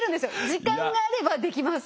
時間があればできます。